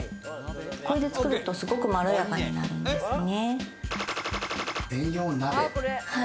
これで作ると、すごくまろやかになるんですね。